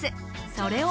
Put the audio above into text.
それを。